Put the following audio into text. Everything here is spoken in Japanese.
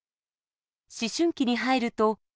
思春期に入ると。